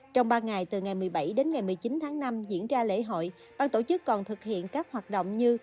trong ba ngày từ ngày một mươi bảy đến ngày một mươi chín tháng năm diễn ra lễ hội ban tổ chức còn thực hiện các hoạt động như